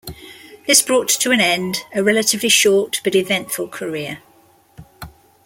This brought to an end a relatively short but eventful career.